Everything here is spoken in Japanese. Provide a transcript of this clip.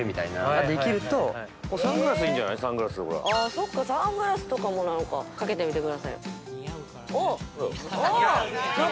そっかサングラスとかも何かかけてみてくださいよおっおおっ！